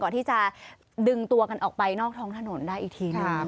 ที่จะดึงตัวกันออกไปนอกท้องถนนได้อีกทีหนึ่ง